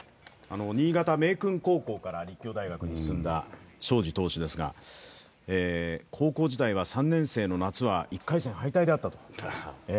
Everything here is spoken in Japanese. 新潟の明訓高校から立教大学に進んだ荘司投手ですが高校時代は３年生の夏は１回戦敗退であったと。